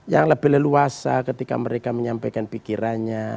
yang lebih leluasa ketika mereka menyampaikan pikirannya